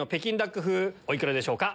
お幾らでしょうか？